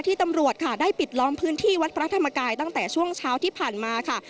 ตำรวจค่ะได้ปิดล้อมพื้นที่วัดพระธรรมกายตั้งแต่ช่วงเช้าที่ผ่านมาค่ะ